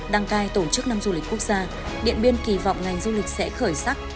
đăng cai tổ chức năm du lịch quốc gia điện biên kỳ vọng ngành du lịch sẽ khởi sắc